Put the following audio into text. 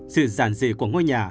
sự giản dị của ngôi nhà